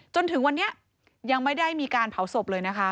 จนถึงวันนี้ยังไม่ได้มีการเผาศพเลยนะคะ